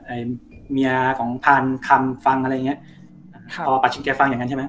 ไอ้เมียของพานคำฟังอะไรอย่างเงี้ยอ่าพอประชิดแกฟังอย่างงั้นใช่ไหม